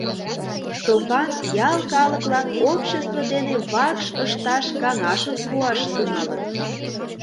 Стопан ял калыклан общество дене вакш ышташ каҥашым пуаш тӱҥалын.